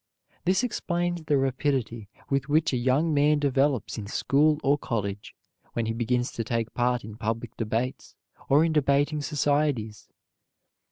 This explains the rapidity with which a young man develops in school or college when he begins to take part in public debates or in debating societies.